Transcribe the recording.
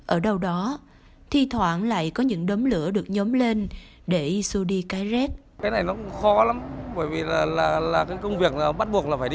ở đâu đó thi thoảng lại có những đấm lửa được nhốm lên để xô đi cái rét